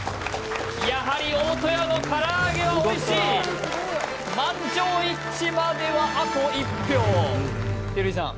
やはり大戸屋の唐揚げはおいしい満場一致まではあと１票照井さん